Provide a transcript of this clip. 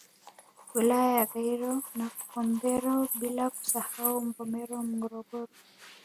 Wilaya ya Gairo na Kilombero bila kusahau Mvomero na Morogoro